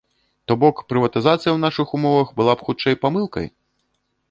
То бок, прыватызацыя ў нашых умовах была б хутчэй памылкай?